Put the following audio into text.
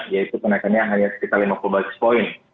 yaitu kenaikannya hanya sekitar lima puluh points